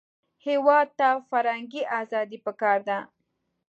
هېواد ته فرهنګي ازادي پکار ده